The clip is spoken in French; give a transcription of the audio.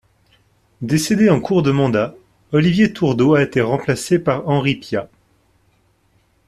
Décédé en cours de mandat, Olivier Tourdot a été remplacé par Henri Piat.